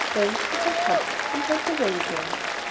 Then he said 'Humph!' and went away again.